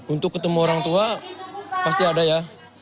untuk ketemu orang tua pasti ada ya